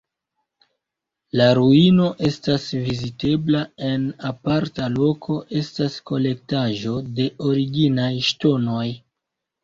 La ruino estas vizitebla, en aparta loko estas kolektaĵo de originaj ŝtonoj.